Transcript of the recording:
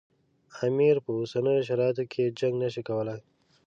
امیر په اوسنیو شرایطو کې جنګ نه شي کولای.